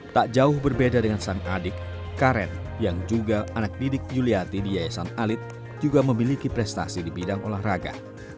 tak jauh berbeda dengan sang adik karen yang juga anak didik yuliati di yayasan alit juga memiliki prestasi di bidang olahraga